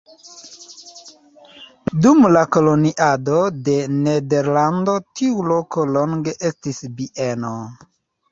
Dum la koloniado de Nederlando tiu loko longe estis bieno.